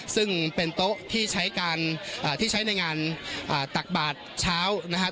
ซึ่งเป็นโต๊ะที่ใช้การที่ใช้ในงานตักบาทเช้านะครับ